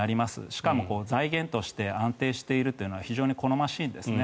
しかも財源として安定しているのは好ましいんですね。